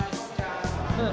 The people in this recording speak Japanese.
・うん。